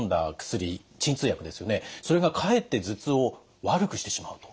それがかえって頭痛を悪くしてしまうと。